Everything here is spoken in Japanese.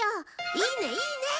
いいねいいね！